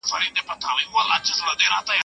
ايا د شتمنۍ کموالی د واده خنډ کېدای سي؟